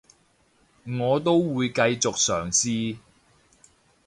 我都會繼續嘗試